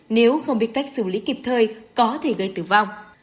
nếu không biết cách xử lý kịp thời có thể gây tử vong